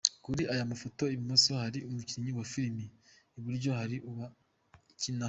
Kuri aya mafoto i bumoso hari umukinnyi wa filime,i buryo hari uwo akinaho.